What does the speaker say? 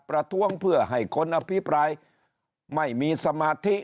ประท้วงเพื่อให้คนอภิปรายไม่มีสมาธิ